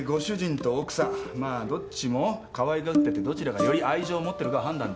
まあどっちもかわいがっててどちらがより愛情を持ってるかは判断できない。